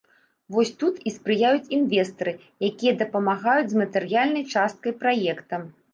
Вось тут і спрыяюць інвестары, якія дапамагаюць з матэрыяльнай частка праекта.